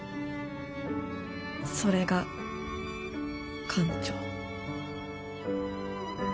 それが艦長。